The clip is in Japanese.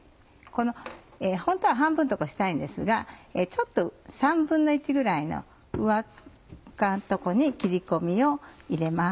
本当は半分とこしたいんですが１／３ぐらいの上側のとこに切り込みを入れます。